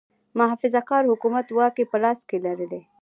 محافظه کار حکومت واګې په لاس کې لرلې.